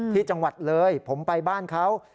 ที่จังหวัดเลยผมไปบ้านเขา